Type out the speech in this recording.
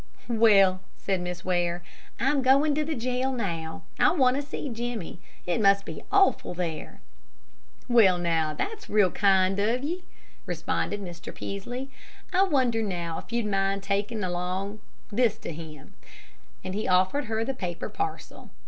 "Well," said Miss Ware, "I'm going to the jail now. I want to see Jimmie. It must be awful there." "Well, now, that's real kind of ye," responded Mr. Peaslee. "I wonder now if you'd mind taking this along to him," and he offered her the paper parcel.